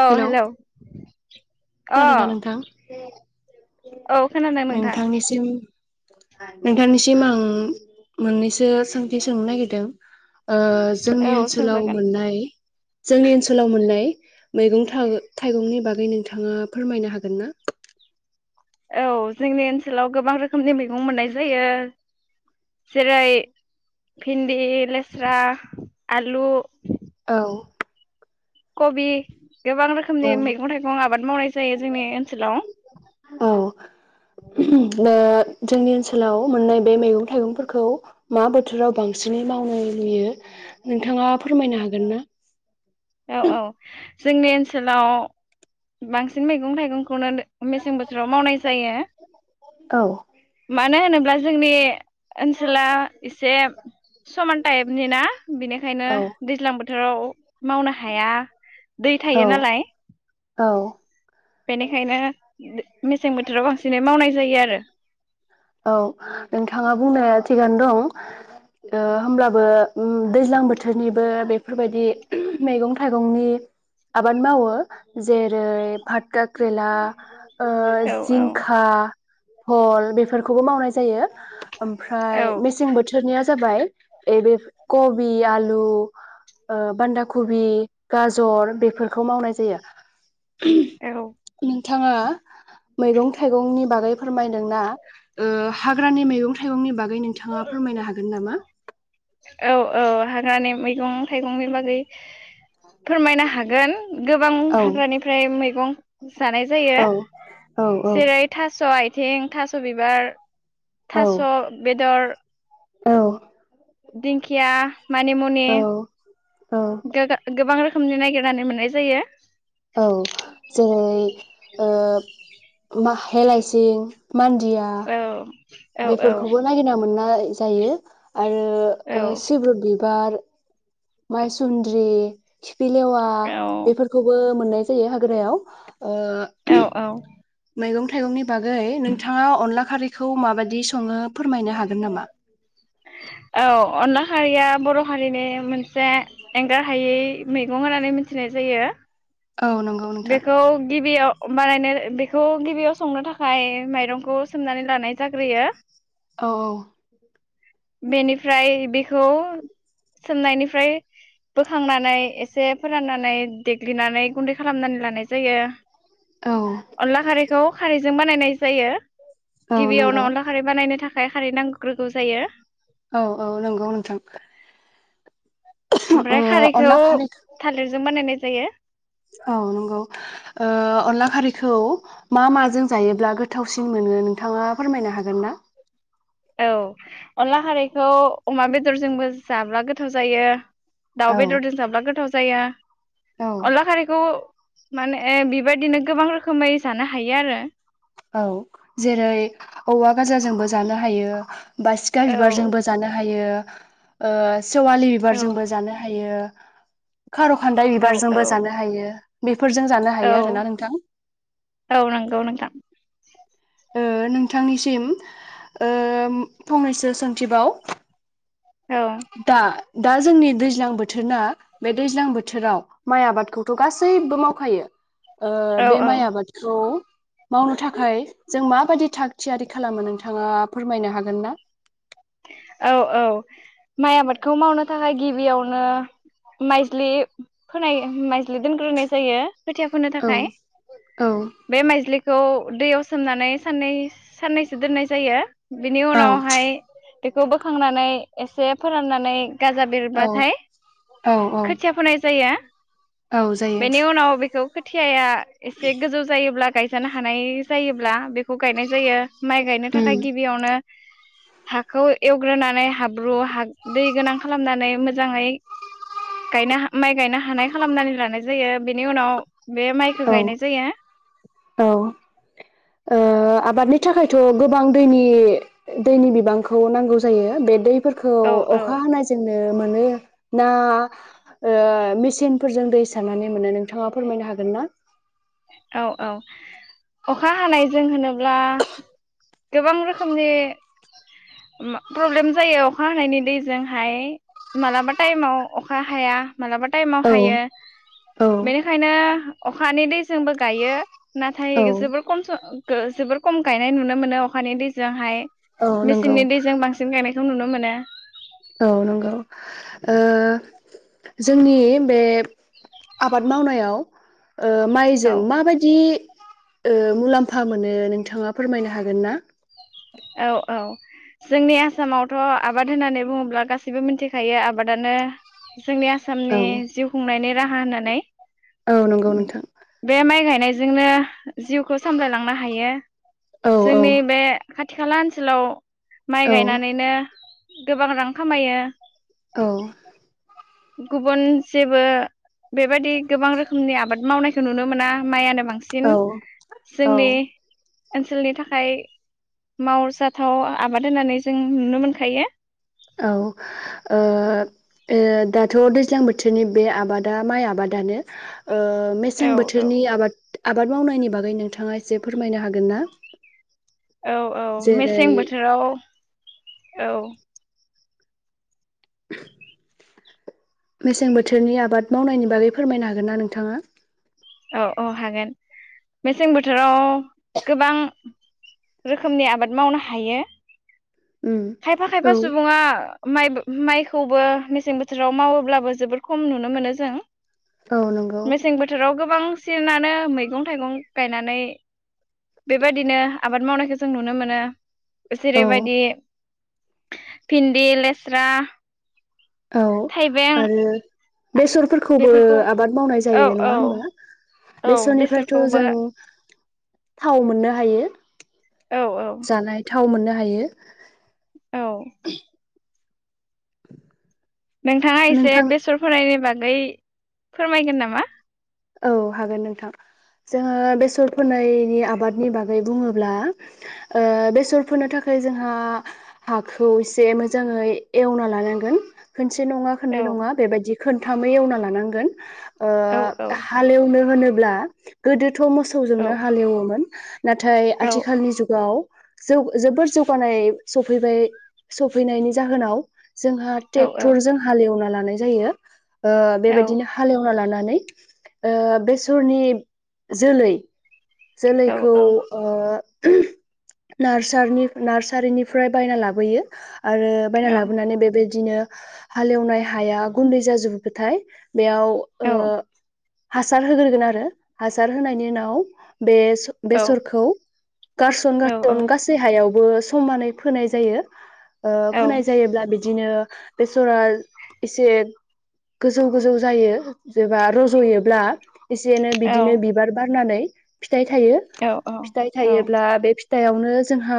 औ हेलौ अ खोनादोंना नोंथां औ खोनादों नोंथां नोंथांनिसिम नोंथांनिसिम आं मोननैसो सोंथि सोंनो नागिरदों ओ जोंनि औ ओनसोलाव सोंजागोन मोननाय जोंनि ओनसोलाव मोननाय मैगं थाइगंनि बागै नोंथां नोंथाङा फोरमायनो हागोन ना औ जोंनि ओनसोलाव गोबां रोखोमनि मैगं मोननाय जायो जेरै भिन्दि लेस्रा आलु औ कबि गोबां औ रोखोमनि मैगं थाइगं आबाद मावनाय जायो जोंनि ओनसोलाव ले जोंनि ओनसोलाव मोननाय बे मैगं थाइगंफोरखौ मा बोथोराव बांसिनै मावनो नुयो नोंथाङा फोरमायनो हागोन ना औ औ जोंनि ओनसोलाव बांसिन मैगं थाइगंखौनो मेसें बोथोराव मावनाय जायो औ मानो होनोब्ला जोंनि ओनसोला एसे समान टाइपनि ना बेनिखायनो औ दैज्लां बो थोराव मावनो हाया दै औ थायो नालाय औ बेनिखायनो मेसें बोथोराव बांसिनै मावनाय जायो आर ओ औ नोंथाङा बुंनाया थिगानो दं ओ होमब्लाबो उम दैज्लां बोथोरनिबो बेफोरबायदि मैगं थाइगंनि आबाद मावो जेरै फात खाख्रेला ओ आरो जिंखा बल बेफोर खौबो मावनाय जायो औ ओमफ्राय मेसें बोथो थोरनिया जाबाय एबे कबि आलु ओ बान्दा कबि गाजर बेफोरखौ मावनाय जायो औ थाङा मैगं थाइगंनि बागै फोरमायदोंना ओ हाग्रानि मैगं थाइगंनि बाग गै नोंथाङा फोरमायनो हागोन नामा औ औ हाग्रानि मैगं थाइगंनि बागै फोरमायनो हागोन गोबां औ हाग्रानिफ्राय मै गं जानाय जायो औ औ औ जेरै थास' आय थें थास' बिबार औ थास' बेदर औ दिंखिया मानि मुनि औ गोगा गोबां रो खोमनि नागिरनानै मोननाय जायो औ जेरै ओ माहेलाइसिं मानदिया औ औ औ बेफोरखौबो नागिरना मोन अनला जायो। आरो औ ओ सिब्रु बि बार मायसुन्द्रि खि खिफिलेवा औ बेफोरखौबो मोननाय जायो हाग्रायाव ओ उम औ औ मैगं थाइगंनि बागै नोंथाङा अनला खारैखौ माबायदि सङो? फोरमायनो हागोन नामा? औ अनला खारिया बर' हारिनि मोन से एंगार हायै मैगं होनानै मिथिनाय जायो। औ नंगौ नोंथां बेखौ गिबियाव अमबानायनो बेखौ गिबियाव संनो थाखाय माइरंखौ सोमनानै लानाय जाग्रोयो। औ औ। बेनिफ्राय बेखौ सोमनायनिफ्राय बोखांनानै एसे से फोराननानै दे ग्लिनानै गुन्दै खालामनानै लानाय जायो। औ अनला खारैखौ खारै जों बानायनाय जायो। औ नंगौ गिबियावनो अनला खारै बानायनो था खाय खारै नांग्रोगौ जायो। औ औ नोंगौ नोंथां। ओ ओमफ्राय खारैखौ अनला थालिरजों बानायनाय जायो। औ नोंगौ ओ अनला खारैखौ मा माजों जायोब्ला गोथावसिन मोनो नोंथाङा फोरमायनो हागोन ना? औ अनला खारैखौ अमा बेदरजोंबो जाब्ला गोथाव जायो। दाउ औ बेदरजों जाब्ला गोथाव जाया। औ अनला खारिखौ माने बेबायदिनो गोबां रोखोमै जानो हायो आरो औ जेरै औवा गाजाजोंबो जानो हायो। बासिखा बिबारजोंबो जानो हायो। ओ सेवालि औ बिबारजोंबो जानो हायो। खार' खान्दाय औ बिबारजोंबो जानो औ हायो बेफोरजों जानो हायो आरो ना औ नोंथां औ नंगौ नोंथां ओ नोंथांनिसिम ओ फंनैसो सोंथिबाव औ दा दा जोंनि दैज्लां बोथोरना बे दैज्लां बोथोराव माइ आबादखौथ' गासैबो मावखायो ओ औ बे औ माइ आबादखौ मावनो थाखाय जों माबायदि थाग थियारि खालामो नोंथाङा फोरमायनो हागोन ना औ औ माइ आबादखौ मावनो थाखाय गिबियावनो माइज्लि फोनाय माइज्लि दोनग्रोनाय जायो खोथिया फोनो औ थाखाय औ बे माइज्लि खौ दैयाव सोमनानै साननै साननैसो दोननाय जायो बिनि औ उनावहाय बेखौ बोखांनानै एसे फोराननानै गाजा औ बेरबाथाय औ औ खोथिया फोनाय जाया औ जायो बेनि उनाव बेखौ खोथियाया एसे गोजौ जायोब्ला गाय जानो हानाय जायोब्ला बेख खौ गायनाय जायो माइ गायनो थाखाय उम गिबियावनो हाखौ एवग्रोनानै हाब्रु हाग दै गोनां खालामनानै मोजाङै गायनो हा माइ गायनो हानाय खालामनानै लानाय जायो बेनि उनाव बे माइखो औ गायनाय जाया औ ओ आबादनि थाखायथ' गोबां दैनि दैनि बिबांखौ नांगौ जायो बे दै फोरखौ औ औ अखा हानायजोंनो मोनो ना ऐ मेसिनफोरजों दै सारनानै मोनो नोंथाङा फोरमायनो हागोन ना औ औ अखा हानायजों होनोब्ला गोबां रोखोमनि मा प्रब्लेम जायो अखा हानायनि दैजोंहाय मालाबा टाइमाव अखा हाया मालाबा टाइमाव औ हायो औ बेनिखायनो अखानि दै जोंबो गायो नाथाय औ जोबोर खम सम गो जोबोर खम गायनाय नुनो मोनो अखानि दैजोंहाय औ नंगौ मेसिननि दैजों बांसिन गायनाय खौ नुनो मोनो औ नोंगौ ओ जोंनि बे आबाद मावनायाव ओ औ माइजों माबायदि ओ मुलाम्फा मोनो नोंथाङा फोरमायनो हागोन ना औ औ जोंनि आसामावथ' आबाद होननानै बुङोब्ला गासिबो मिन्थिखायो आबादानो जोंनि औ आसामनि जिउ खुंनायनि राहा होननानै औ नोंगौ नोंथां नायजोंनो जिउखौ सामलायलांनो हायो औ औ जोंनि बे खाथि खाला ओनसोलाव माइ औ गायनानैनो गोबां रां खामायो औ गुबुन जेबो बेबायदि गोबां रोखोमनि आबाद मावनायखौ नुनो मोना माइयानो बांसिन औ जोंनि औ ओनसोलनि थाखाय मावजाथाव आबाद होननानै जों नुनो मोनखायो औ ओ दाथ' दैज्लां बोथोरनि बे आबादा माइ आबादानो ओ औ मेसें औ बोथोरनि आबाद आबाद मावनायनि बागै नोंथाङा एसे फोरमायनो हागोन ना औ औ जेरै मेसें बोथोराव औ [unintelligible] मेसें बोथोरनि आबाद मावनायनि बागै फोरमायनो हागोन ना नोंथाङा औ औ हागोन मेसें बोथोराव गोबां रोखोमनि आबाद मावनो हायो उम खायफा खायफा सुबुङा माइबो माइ खौबो मेसें बोथोराव मावोब्लाबो जोबोद खम नुनो मोनो जों औ नंगौ मेसें बोथोराव गोबांसिनानो मैगं थाइगं गायनानै बेबायदिनो आबाद मावनायखौ जों नुनो मोनो औ जेरैबायदि भिन्दि लेस्रा औ थाइबें आरो बेसरफोरखौबो बेफोरखौ आबाद मावनाय औ जायो औ नङा होनबा औ बेसरनिफ्रायथ' बेसरखौबो जों थाव मोननो हायो औ औ जानाय थाव मोननो हा हायो औ [unintelligible] [unintelligible] नोंथाङा एसे नोंथां बेसर फोनायनि बागै बागै फोरमायगोन नामा औ हागोन नोंथां जोङो बेसर फोनायनि आबादनि बागै बुङोब्ला ओ बेसर फोनो थाखाय जोंहा हाखौ एसे मोजाङै एवना लानांगोन मोनसे नङा औ खननै नङा बेबायदि खोनथामै एवना लानांगोन ओ औ औ हालेवनो होनो ब्ला थ' औ मोसौजोंनो हालेवोमोन नाथाय औ आथिखालनि जुगाव जौ जोबोर जौगानाय सफैबाय सफैनायनि जाहोनाव जोंहा औ ट्रेक्टर जों हालेवना ला नाय जायो ओ औ बेबायदिनो हालेवना लाना नै ओ बेसरनि जोलै जोलैखौ ओ नारसनि नार्सारिनिफ्राय बायना लाबोयो आरो औ बायना लाबोनानै बेबायदि बिदिनो हालेवनाय हाया गुन्दै जाजोबोबाथाय बेयाव ओ हासार होग्रोगोन आरो हासार होनायनि उनाव बे औ बेसरखौ गारसन औ औ गारसन गासै हायाव ओ समानै फोनाय जायो ओ फोनाय जायोब्ला बिदि बिदिनो बेसरा एसे गोजौ गोजौ जायो जेबा र जयोब्ला एसे एनै औ बिदिनो बिबार बारनानै [inaudible] फिथाइ थायो औ फिथाइ थायोब्ला बे दायावनो जोंहा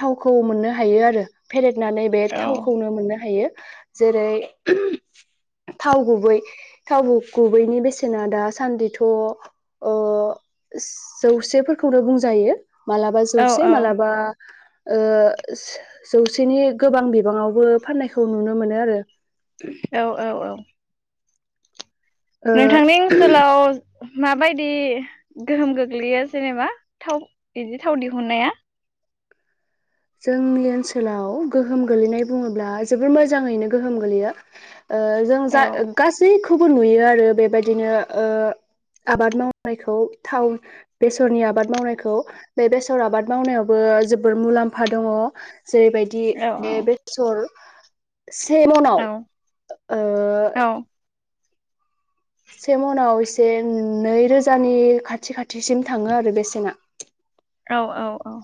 थावखौ मोननो हायो आरो भेरेट नानै बे थावखौनो मोननो हायो जेरै थाव गुबै थाव गुबै बैनि बेसेना दासान्दिथ' ओ जौसेफोरखौनो बुंजायो मालाबा जौसे मालाबा ओ जौसेनि गोबां बिबाङावबो फाननायखौ नुनो मोनो आरो औ औ औ ओ नोंथांनि ओनसोलाव माबायदि गोहोम गोग्लैयो जेनेबा थाव बिदि थाव दिहुननाया जोंनि ओनसोलाव गोहोम गोल्लैनाय बुङोब्ला जोबोर मोजाङैनो गोहोम गोलैयो ओ जों औ जा गासै खौबो नुयो आरो बेबायदिनो ओ आबाद मावनायखौ थाव बेसरनि आबाद मावनायखौ बे बेसर आबाद मावनायावबो जोबोर मुलाम फा दङ जेरैबायदि औ बे बेसर से मनाव ओ औ सेमनाव एसे नैरोजानि खाथि खाथिसिम थाङो आरो बेसेना औ औ औ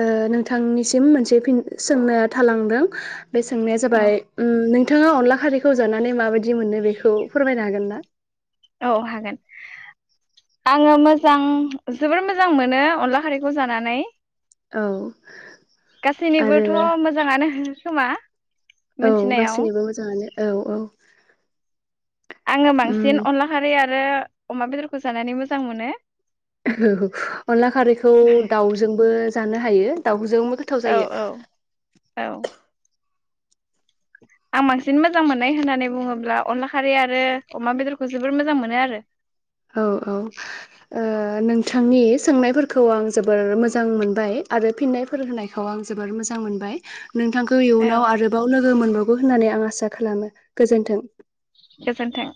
ओ नोंथांनिसिम मोनसे फिन सोंनाया थालांदों बे सोंनाया औ जाबाय उम नों नोंथाङा अनला खारैखौ जानानै माबायदि मोनो बेखौ फोरमायनो हागोन ना? औ हागोन आङो मोजां जोबोर मोजां मोनो अनला खारैखौ जानानै औ आरो गासैनिबोथ' मोजाङानो खोमा औ मिथिनायाव गासैनिबो मोजाङानो औ औ आङो उम बांसिन अनला खारि आरो आरो अमा बेदरखौ जानानै मोजां मोनो। [unintelligible] अनला खारैखौ दाउजोंबो जानो हायो दाउ जोंबो गोथाव औ जायो। औ औ आं बांसिन मोजां मोननाय होननानै बुङोब्ला अनला खारै आरो अमा बेदरखौ जोबोर मोजां मोनो आरो औ औ ओ नों नोंथांनि सोंनायफोरखौ आं जोबोर मोजां मोनबाय आरो फिननायफोर होनायखौ आं जोबोर मोजां मोनबाय। नोंथांखौ औ इयुनाव आरोबाव लोगो मोन गोन होननानै आं आसा खालामो गोजोनथों गोजोनथों